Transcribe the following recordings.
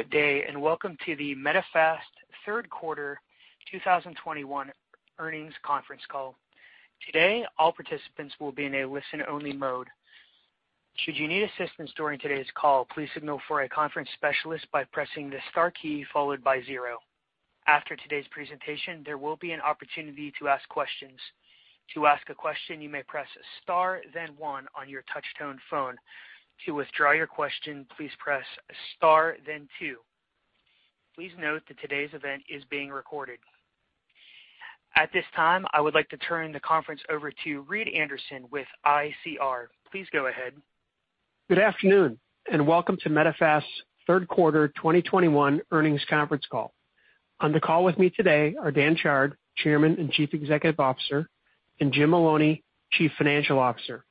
Good day, and welcome to the Medifast Third Quarter 2021 Earnings Conference Call. Today, all participants will be in a listen-only mode. Should you need assistance during today's call, please signal for a conference specialist by pressing the star key followed by zero. After today's presentation, there will be an opportunity to ask questions. To ask a question, you may press star then one on your touch tone phone. To withdraw your question, please press star then two. Please note that today's event is being recorded. At this time, I would like to turn the conference over to Reed Anderson with ICR. Please go ahead. Good afternoon, and welcome to Medifast's Third Quarter 2021 Earnings Conference Call. On the call with me today are Dan Chard, Chairman and Chief Executive Officer, and Jim Maloney, Chief Financial Officer.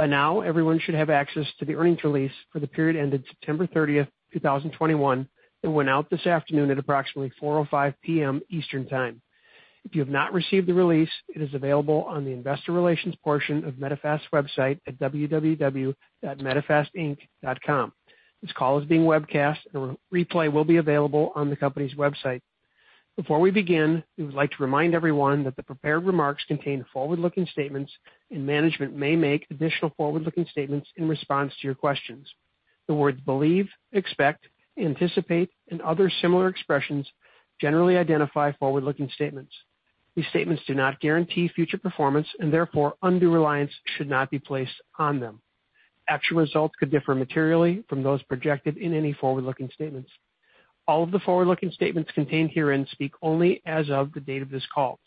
By now, everyone should have access to the earnings release for the period ended September 30, 2021. It went out this afternoon at approximately 4:05 PM. Eastern Time. If you have not received the release, it is available on the investor relations portion of Medifast's website at www.medifastinc.com. This call is being webcast, and a replay will be available on the company's website. Before we begin, we would like to remind everyone that the prepared remarks contain forward-looking statements, and management may make additional forward-looking statements in response to your questions. The words believe, expect, anticipate, and other similar expressions generally identify forward-looking statements. These statements do not guarantee future performance, and therefore, undue reliance should not be placed on them. Actual results could differ materially from those projected in any forward-looking statements. All of the forward-looking statements contained herein speak only as of the date of this call.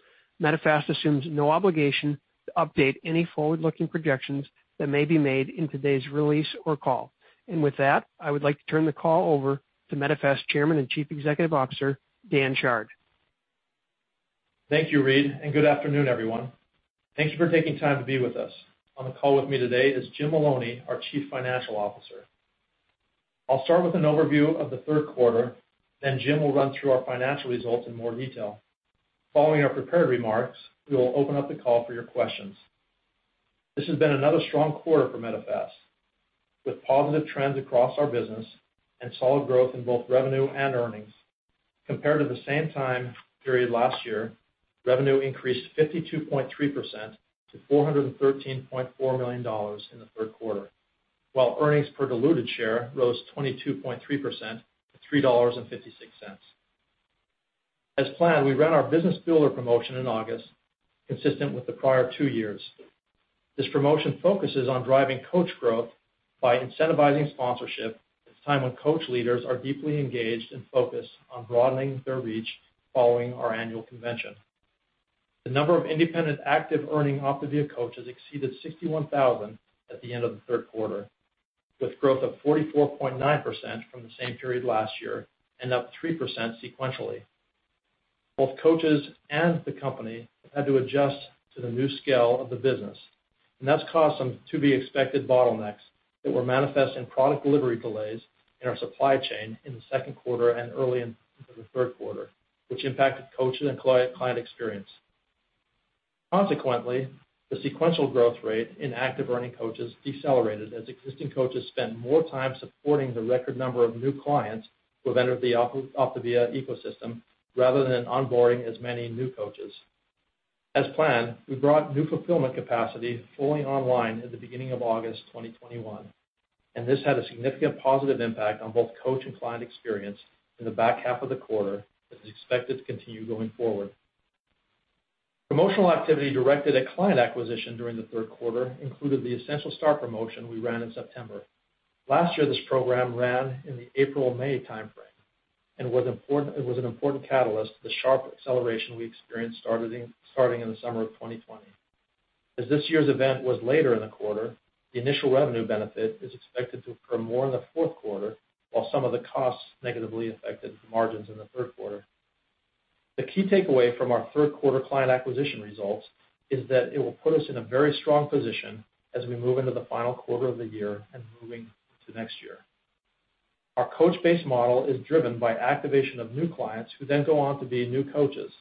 Medifast assumes no obligation to update any forward-looking projections that may be made in today's release or call. With that, I would like to turn the call over to Medifast Chairman and Chief Executive Officer, Dan Chard. Thank you, Reed, and good afternoon, everyone. Thank you for taking time to be with us. On the call with me today is Jim Maloney, our Chief Financial Officer. I'll start with an overview of the third quarter, then Jim will run through our financial results in more detail. Following our prepared remarks, we will open up the call for your questions. This has been another strong quarter for Medifast, with positive trends across our business and solid growth in both revenue and earnings. Compared to the same time period last year, revenue increased 52.3% to $413.4 million in the third quarter, while earnings per diluted share rose 22.3% to $3.56. As planned, we ran our Business Builder promotion in August, consistent with the prior two years. This promotion focuses on driving coach growth by incentivizing sponsorship at a time when coach leaders are deeply engaged and focused on broadening their reach following our annual convention. The number of independent, active earning OPTAVIA coaches exceeded 61,000 at the end of the third quarter, with growth of 44.9% from the same period last year and up 3% sequentially. Both coaches and the company had to adjust to the new scale of the business, and that's caused some to be expected bottlenecks that were manifest in product delivery delays in our supply chain in the second quarter and early into the third quarter, which impacted coaches and client experience. Consequently, the sequential growth rate in active earning coaches decelerated as existing coaches spent more time supporting the record number of new clients who have entered the OPTAVIA ecosystem rather than onboarding as many new coaches. As planned, we brought new fulfillment capacity fully online at the beginning of August 2021, and this had a significant positive impact on both coach and client experience in the back half of the quarter that is expected to continue going forward. Promotional activity directed at client acquisition during the third quarter included the Essential Start promotion we ran in September. Last year, this program ran in the April-May timeframe, and it was an important catalyst to the sharp acceleration we experienced starting in the summer of 2020. As this year's event was later in the quarter, the initial revenue benefit is expected to occur more in the fourth quarter, while some of the costs negatively affected the margins in the third quarter. The key takeaway from our third quarter client acquisition results is that it will put us in a very strong position as we move into the final quarter of the year and moving to next year. Our coach-based model is driven by activation of new clients who then go on to be new coaches.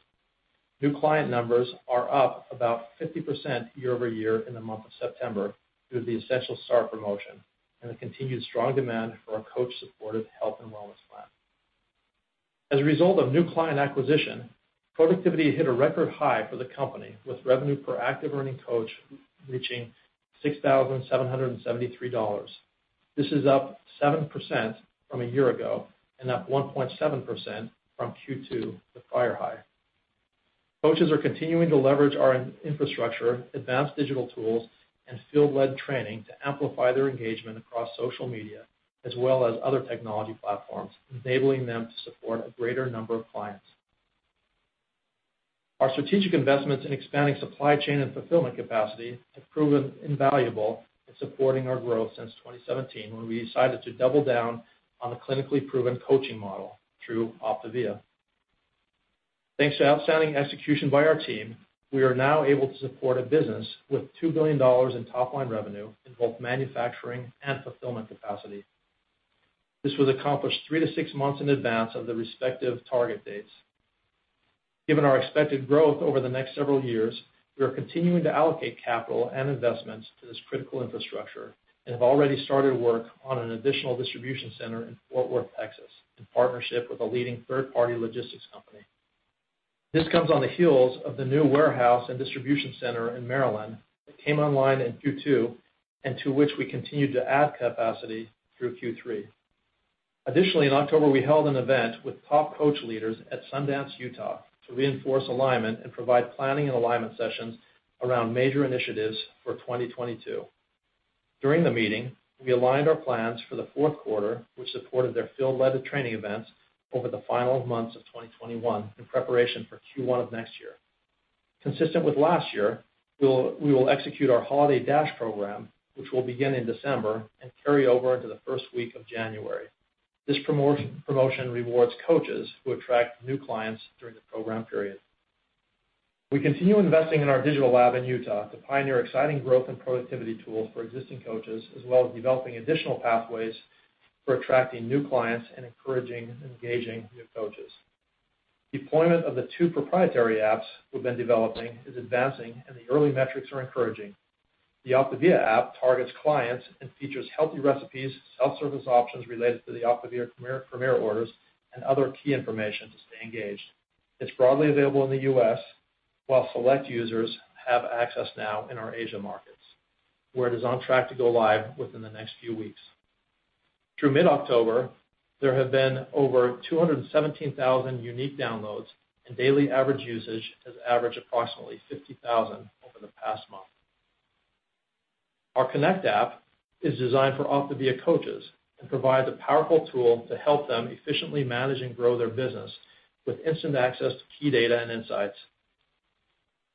New client numbers are up about 50% year-over-year in the month of September due to the Essential Start promotion and the continued strong demand for our coach-supported health and wellness plan. As a result of new client acquisition, productivity hit a record high for the company, with revenue per active earning coach reaching $6,773. This is up 7% from a year ago and up 1.7% from Q2, the prior high. Coaches are continuing to leverage our infrastructure, advanced digital tools, and field-led training to amplify their engagement across social media as well as other technology platforms, enabling them to support a greater number of clients. Our strategic investments in expanding supply chain and fulfillment capacity have proven invaluable in supporting our growth since 2017, when we decided to double down on the clinically proven coaching model through OPTAVIA. Thanks to outstanding execution by our team, we are now able to support a business with $2 billion in top-line revenue in both manufacturing and fulfillment capacity. This was accomplished three to six months in advance of the respective target dates. Given our expected growth over the next several years, we are continuing to allocate capital and investments to this critical infrastructure and have already started work on an additional distribution center in Fort Worth, Texas, in partnership with a leading third-party logistics company. This comes on the heels of the new warehouse and distribution center in Maryland that came online in Q2, and to which we continued to add capacity through Q3. Additionally, in October, we held an event with top coach leaders at Sundance, Utah, to reinforce alignment and provide planning and alignment sessions around major initiatives for 2022. During the meeting, we aligned our plans for the fourth quarter, which supported their field-led training events over the final months of 2021 in preparation for Q1 of next year. Consistent with last year, we will execute our Holiday Dash program, which will begin in December and carry over into the first week of January. This promotion rewards coaches who attract new clients during the program period. We continue investing in our digital lab in Utah to pioneer exciting growth and productivity tools for existing coaches, as well as developing additional pathways for attracting new clients and encouraging and engaging new coaches. Deployment of the two proprietary apps we've been developing is advancing, and the early metrics are encouraging. The OPTAVIA app targets clients and features healthy recipes, self-service options related to the OPTAVIA Premier orders, and other key information to stay engaged. It's broadly available in the U.S., while select users have access now in our Asia markets, where it is on track to go live within the next few weeks. Through mid-October, there have been over 217,000 unique downloads, and daily average usage has averaged approximately 50,000 over the past month. Our Connect app is designed for OPTAVIA coaches to provide a powerful tool to help them efficiently manage and grow their business with instant access to key data and insights.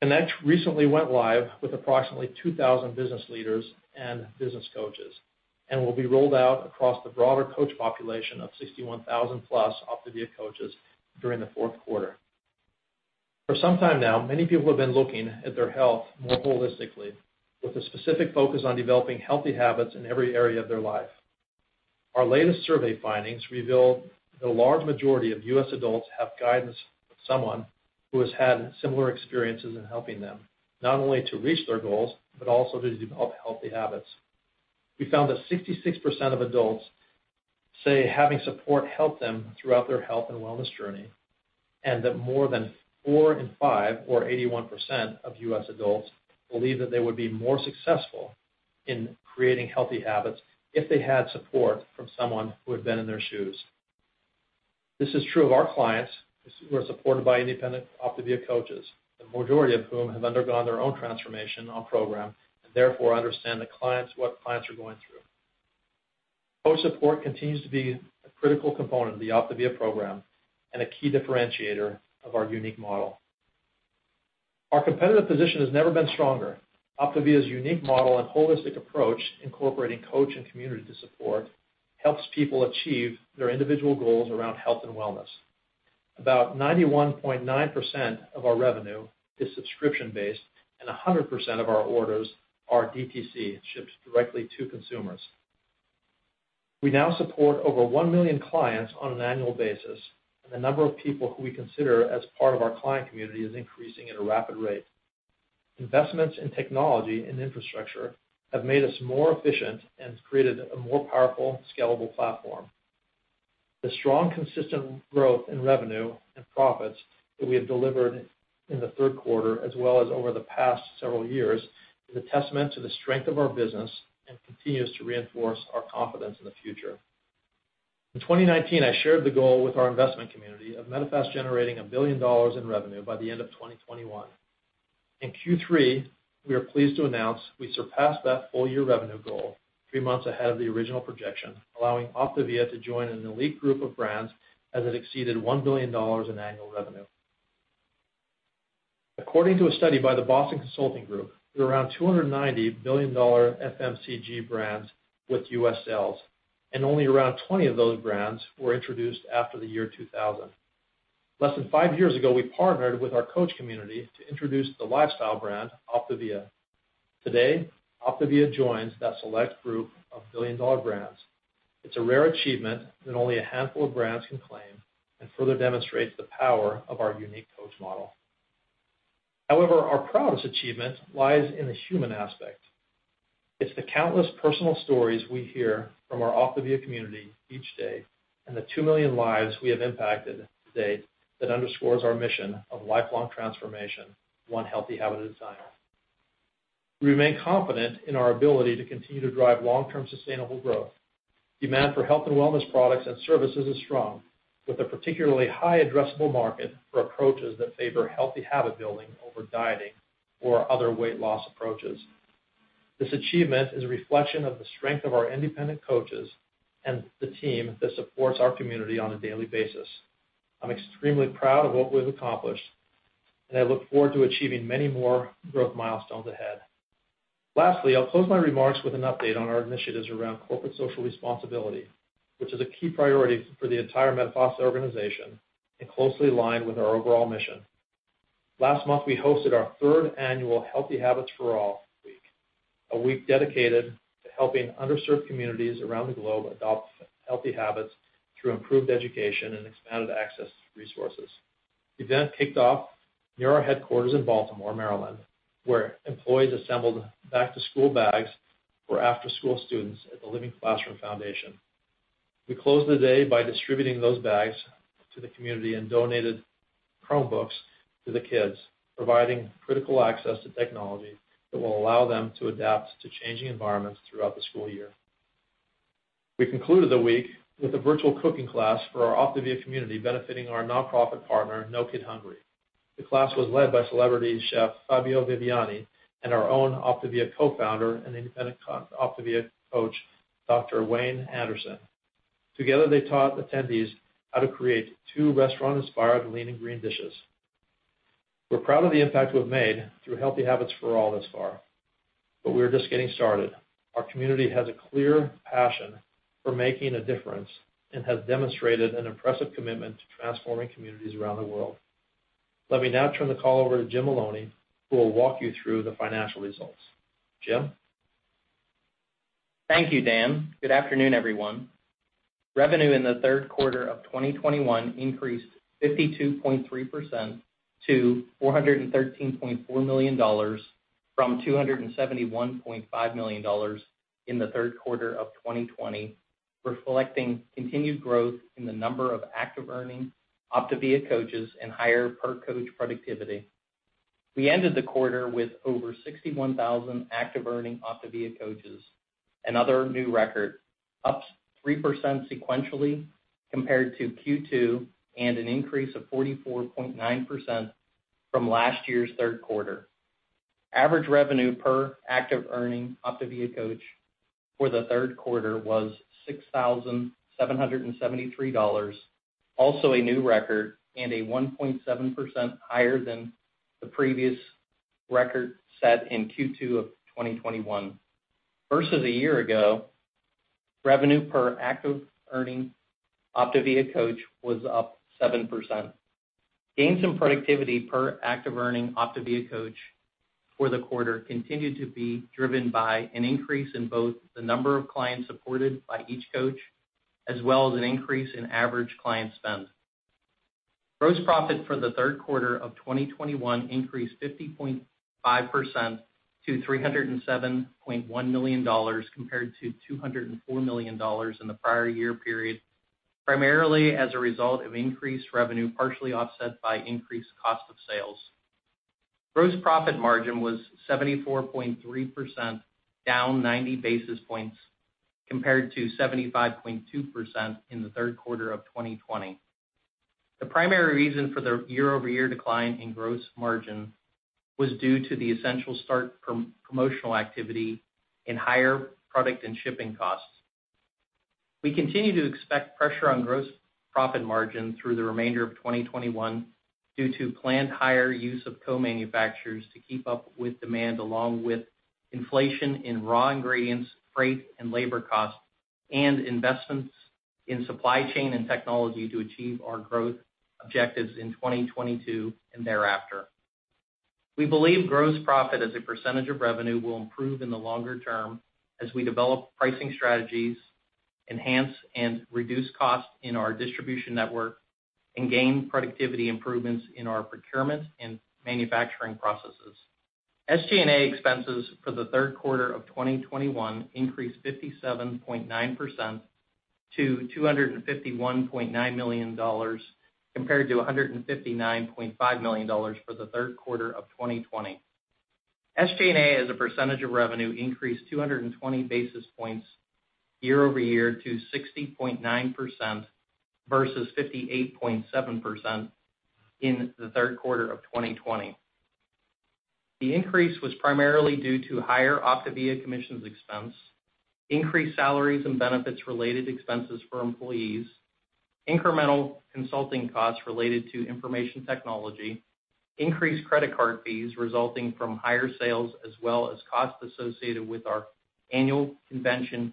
Connect recently went live with approximately 2,000 business leaders and business coaches and will be rolled out across the broader coach population of 61,000+ OPTAVIA coaches during the fourth quarter. For some time now, many people have been looking at their health more holistically, with a specific focus on developing healthy habits in every area of their life. Our latest survey findings revealed that a large majority of U.S. adults have guidance from someone who has had similar experiences in helping them, not only to reach their goals, but also to develop healthy habits. We found that 66% of adults say having support helped them throughout their health and wellness journey, and that more than four in five or 81% of U.S. adults believe that they would be more successful in creating healthy habits if they had support from someone who had been in their shoes. This is true of our clients who are supported by independent OPTAVIA coaches, the majority of whom have undergone their own transformation on program and therefore understand the clients, what clients are going through. Coach support continues to be a critical component of the OPTAVIA program and a key differentiator of our unique model. Our competitive position has never been stronger. OPTAVIA's unique model and holistic approach, incorporating coach and community to support, helps people achieve their individual goals around health and wellness. About 91.9% of our revenue is subscription-based, and 100% of our orders are DTC and ships directly to consumers. We now support over 1 million clients on an annual basis, and the number of people who we consider as part of our client community is increasing at a rapid rate. Investments in technology and infrastructure have made us more efficient and has created a more powerful scalable platform. The strong, consistent growth in revenue and profits that we have delivered in the third quarter, as well as over the past several years, is a testament to the strength of our business and continues to reinforce our confidence in the future. In 2019, I shared the goal with our investment community of Medifast generating $1 billion in revenue by the end of 2021. In Q3, we are pleased to announce we surpassed that full-year revenue goal three months ahead of the original projection, allowing OPTAVIA to join an elite group of brands as it exceeded $1 billion in annual revenue. According to a study by the Boston Consulting Group, there are around 290 billion-dollar FMCG brands with U.S. sales, and only around 20 of those brands were introduced after the year 2000. Less than five years ago, we partnered with our coach community to introduce the lifestyle brand OPTAVIA. Today, OPTAVIA joins that select group of billion-dollar brands. It's a rare achievement that only a handful of brands can claim and further demonstrates the power of our unique coach model. However, our proudest achievement lies in the human aspect. It's the countless personal stories we hear from our OPTAVIA community each day and the 2 million lives we have impacted to date that underscores our mission of lifelong transformation, one healthy habit at a time. We remain confident in our ability to continue to drive long-term sustainable growth. Demand for health and wellness products and services is strong, with a particularly high addressable market for approaches that favor healthy habit building over dieting or other weight loss approaches. This achievement is a reflection of the strength of our independent coaches and the team that supports our community on a daily basis. I'm extremely proud of what we've accomplished, and I look forward to achieving many more growth milestones ahead. Lastly, I'll close my remarks with an update on our initiatives around corporate social responsibility, which is a key priority for the entire Medifast organization and closely aligned with our overall mission. Last month, we hosted our third annual Healthy Habits For All Week dedicated to helping underserved communities around the globe adopt healthy habits through improved education and expanded access to resources. The event kicked off near our headquarters in Baltimore, Maryland, where employees assembled back-to-school bags for after-school students at the Living Classrooms Foundation. We closed the day by distributing those bags to the community and donated Chromebooks to the kids, providing critical access to technology that will allow them to adapt to changing environments throughout the school year. We concluded the week with a virtual cooking class for our OPTAVIA community, benefiting our nonprofit partner, No Kid Hungry. The class was led by celebrity chef Fabio Viviani and our own OPTAVIA co-founder and independent OPTAVIA coach, Dr. Wayne Andersen. Together, they taught attendees how to create two restaurant-inspired Lean & Green dishes. We're proud of the impact we've made through Healthy Habits For All thus far, but we're just getting started. Our community has a clear passion for making a difference and has demonstrated an impressive commitment to transforming communities around the world. Let me now turn the call over to Jim Maloney, who will walk you through the financial results. Jim? Thank you, Dan. Good afternoon, everyone. Revenue in the third quarter of 2021 increased 52.3% to $413.4 million from $271.5 million in the third quarter of 2020, reflecting continued growth in the number of active earning OPTAVIA coaches and higher per-coach productivity. We ended the quarter with over 61,000 active earning OPTAVIA coaches, another new record, up 3% sequentially compared to Q2 and an increase of 44.9% from last year's third quarter. Average revenue per active earning OPTAVIA coach for the third quarter was $6,773, also a new record, and 1.7% higher than the previous record set in Q2 of 2021. Versus a year ago, revenue per active earning OPTAVIA coach was up 7%. Gains in productivity per active earning OPTAVIA coach for the quarter continued to be driven by an increase in both the number of clients supported by each coach, as well as an increase in average client spend. Gross profit for the third quarter of 2021 increased 50.5% to $307.1 million, compared to $204 million in the prior year period, primarily as a result of increased revenue, partially offset by increased cost of sales. Gross profit margin was 74.3%, down 90 basis points compared to 75.2% in the third quarter of 2020. The primary reason for the year-over-year decline in gross margin was due to the Essential Start promotional activity and higher product and shipping costs. We continue to expect pressure on gross profit margin through the remainder of 2021 due to planned higher use of co-manufacturers to keep up with demand, along with inflation in raw ingredients, freight and labor costs, and investments in supply chain and technology to achieve our growth objectives in 2022 and thereafter. We believe gross profit as a percentage of revenue will improve in the longer term as we develop pricing strategies, enhance and reduce costs in our distribution network, and gain productivity improvements in our procurement and manufacturing processes. SG&A expenses for the third quarter of 2021 increased 57.9% to $251.9 million, compared to $159.5 million for the third quarter of 2020. SG&A, as a percentage of revenue, increased 200 basis points year-over-year to 60.9% versus 58.7% in the third quarter of 2020. The increase was primarily due to higher OPTAVIA commissions expense, increased salaries and benefits related expenses for employees, incremental consulting costs related to information technology, increased credit card fees resulting from higher sales, as well as costs associated with our annual convention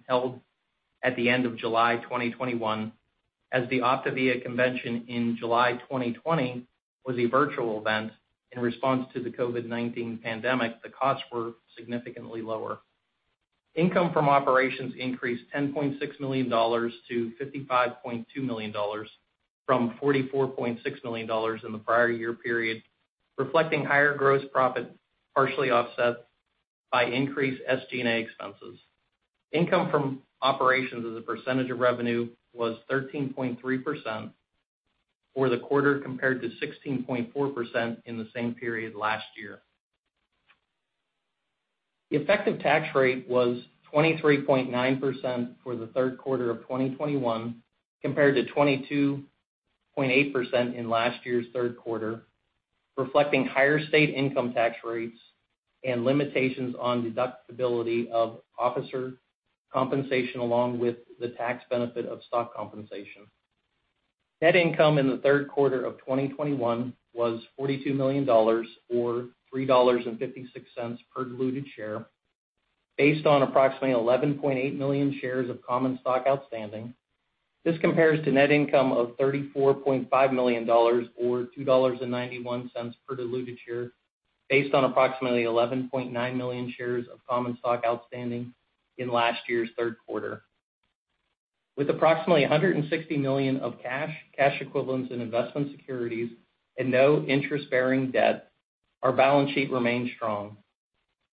held at the end of July 2021, as the OPTAVIA convention in July 2020 was a virtual event. In response to the COVID-19 pandemic, the costs were significantly lower. Income from operations increased $10.6 million to $55.2 million, from $44.6 million in the prior year period, reflecting higher gross profit, partially offset by increased SG&A expenses. Income from operations as a percentage of revenue was 13.3% for the quarter compared to 16.4% in the same period last year. The effective tax rate was 23.9% for the third quarter of 2021, compared to 22.8% in last year's third quarter, reflecting higher state income tax rates and limitations on deductibility of officer compensation, along with the tax benefit of stock compensation. Net income in the third quarter of 2021 was $42 million or $3.56 per diluted share based on approximately 11.8 million shares of common stock outstanding. This compares to net income of $34.5 million or $2.91 per diluted share based on approximately 11.9 million shares of common stock outstanding in last year's third quarter. With approximately $160 million of cash equivalents in investment securities and no interest-bearing debt, our balance sheet remains strong.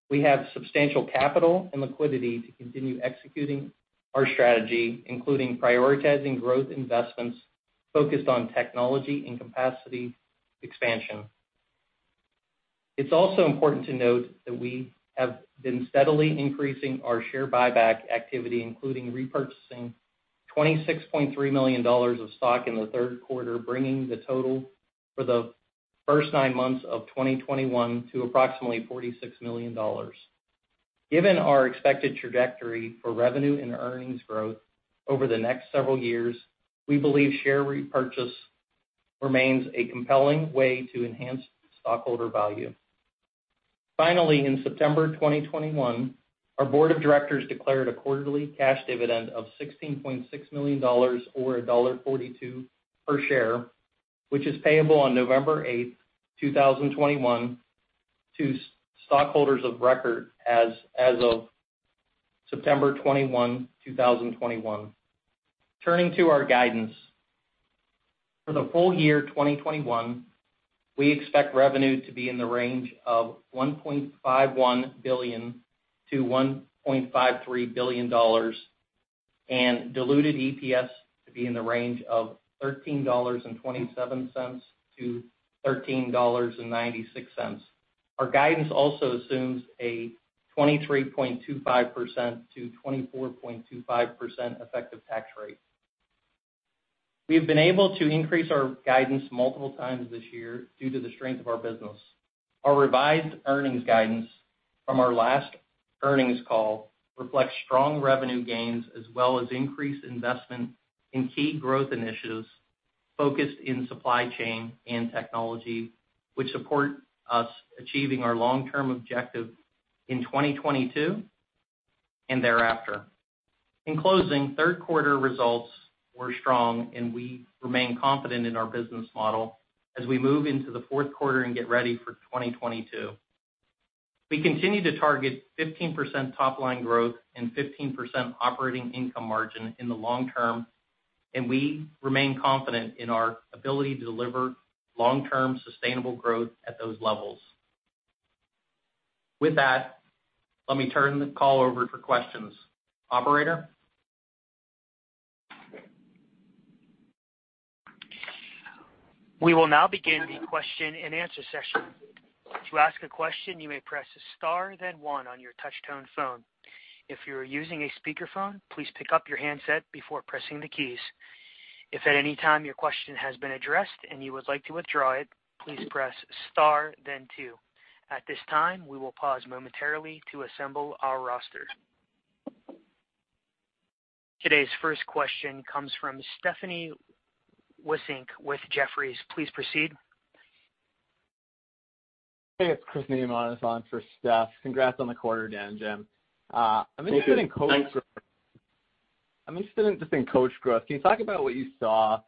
We have substantial capital and liquidity to continue executing our strategy, including prioritizing growth investments focused on technology and capacity expansion. It's also important to note that we have been steadily increasing our share buyback activity, including repurchasing $26.3 million of stock in the third quarter, bringing the total for the first nine months of 2021 to approximately $46 million. Given our expected trajectory for revenue and earnings growth over the next several years, we believe share repurchase remains a compelling way to enhance stockholder value. Finally, in September 2021, our board of directors declared a quarterly cash dividend of $16.6 million or $1.42 per share, which is payable on November 8, 2021 to stockholders of record as of September 21, 2021. Turning to our guidance. For the full year 2021, we expect revenue to be in the range of $1.51 billion-$1.53 billion and diluted EPS to be in the range of $13.27-$13.96. Our guidance also assumes a 23.25%-24.25% effective tax rate. We have been able to increase our guidance multiple times this year due to the strength of our business. Our revised earnings guidance from our last earnings call reflects strong revenue gains as well as increased investment in key growth initiatives focused in supply chain and technology, which support us achieving our long-term objective in 2022 and thereafter. In closing, third quarter results were strong, and we remain confident in our business model as we move into the fourth quarter and get ready for 2022. We continue to target 15% top line growth and 15% operating income margin in the long term, and we remain confident in our ability to deliver long-term sustainable growth at those levels. With that, let me turn the call over for questions. Operator? We will now begin the question-and-answer session. To ask a question, you may press star, then one on your touchtone phone. If you are using a speakerphone, please pick up your handset before pressing the keys. If at any time your question has been addressed and you would like to withdraw it, please press star then two. At this time, we will pause momentarily to assemble our roster. Today's first question comes from Stephanie Wissink with Jefferies. Please proceed. Hey, it's Chris on for Steph. Congrats on the quarter, Dan and Jim. Thank you. Thanks. I'm interested in coach growth. Can you talk about what you saw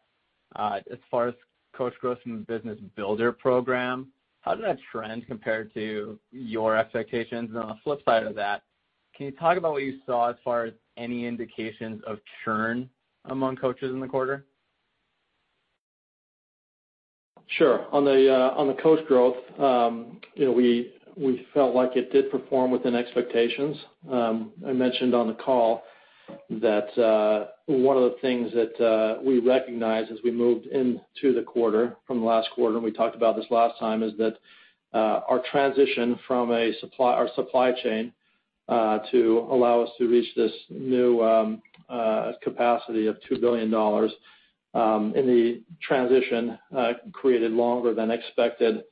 as far as coach growth in the Business Builder program? How did that trend compare to your expectations? On the flip side of that, can you talk about what you saw as far as any indications of churn among coaches in the quarter? Sure. On the coach growth, you know, we felt like it did perform within expectations. I mentioned on the call that one of the things that we recognized as we moved into the quarter from last quarter, and we talked about this last time, is that our transition from our supply chain to allow us to reach this new capacity of $2 billion in the transition created longer than expected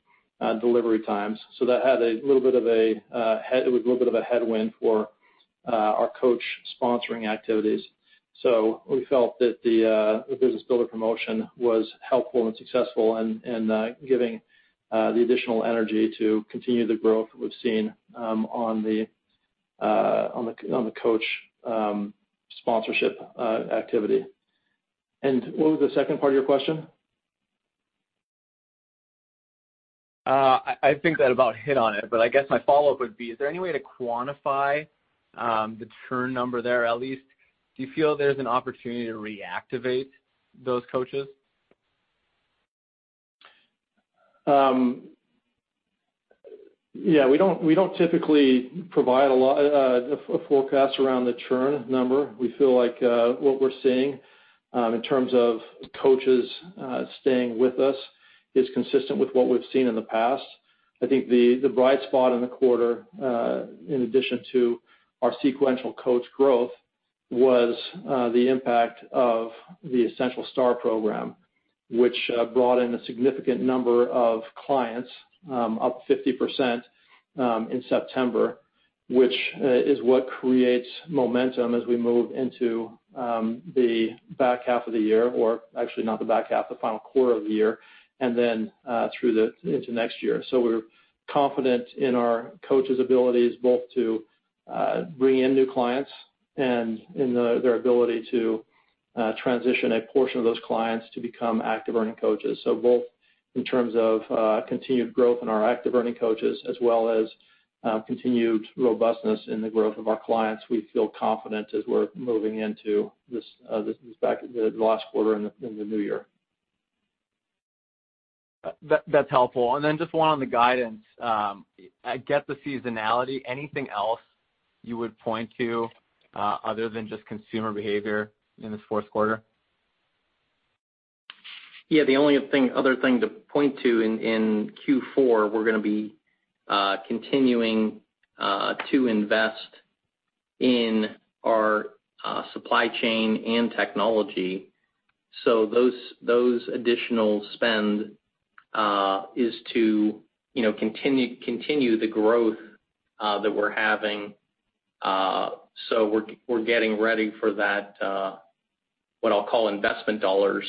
delivery times. That was a little bit of a headwind for our coach sponsoring activities. We felt that the Business Builder promotion was helpful and successful and giving the additional energy to continue the growth we've seen on the coach sponsorship activity. What was the second part of your question? I think that about hit on it, but I guess my follow-up would be, is there any way to quantify the churn number there, at least? Do you feel there's an opportunity to reactivate those coaches? Yeah, we don't typically provide a lot, a forecast around the churn number. We feel like what we're seeing in terms of coaches staying with us is consistent with what we've seen in the past. I think the bright spot in the quarter, in addition to our sequential coach growth, was the impact of the Essential Start program, which brought in a significant number of clients up 50% in September, which is what creates momentum as we move into the back half of the year or actually not the back half, the final quarter of the year, and then through into next year. We're confident in our coaches' abilities both to bring in new clients and in their ability to transition a portion of those clients to become active earning coaches. Both in terms of continued growth in our active earning coaches, as well as continued robustness in the growth of our clients, we feel confident as we're moving into this, the last quarter in the new year. That's helpful. Then just one on the guidance. I get the seasonality. Anything else you would point to, other than just consumer behavior in this fourth quarter? Yeah, the other thing to point to in Q4, we're gonna be continuing to invest in our supply chain and technology. Those additional spend is to, you know, continue the growth that we're having. We're getting ready for that, what I'll call investment dollars.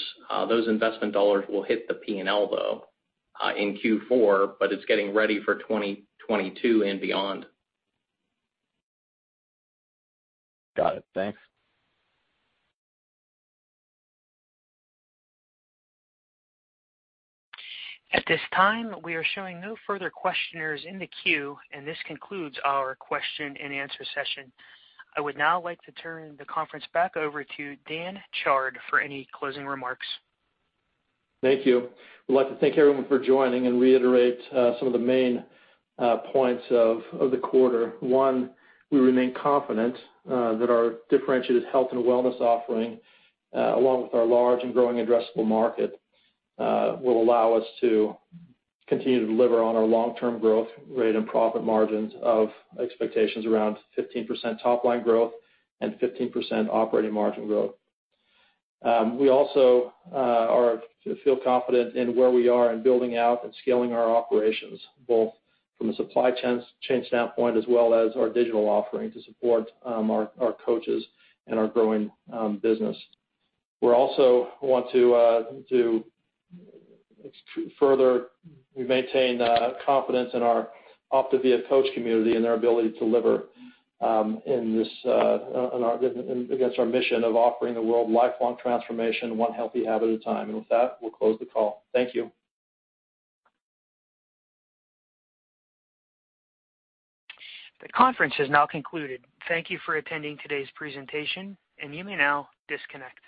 Those investment dollars will hit the P&L though in Q4, but it's getting ready for 2022 and beyond. Got it. Thanks. At this time, we are showing no further questioners in the queue, and this concludes our question and answer session. I would now like to turn the conference back over to Dan Chard for any closing remarks. Thank you. I'd like to thank everyone for joining and reiterate some of the main points of the quarter. One, we remain confident that our differentiated health and wellness offering along with our large and growing addressable market will allow us to continue to deliver on our long-term growth rate and profit margins of expectations around 15% top line growth and 15% operating margin growth. We also feel confident in where we are in building out and scaling our operations, both from a supply chain standpoint as well as our digital offering to support our coaches and our growing business. We also want to further maintain confidence in our OPTAVIA coach community and their ability to deliver against our mission of offering the world lifelong transformation one healthy habit at a time. With that, we'll close the call. Thank you. The conference has now concluded. Thank you for attending today's presentation, and you may now disconnect.